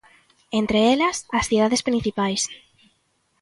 Entre elas, as cidades principais.